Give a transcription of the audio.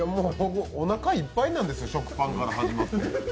おなかいっぱいなんです、食パンから始まって。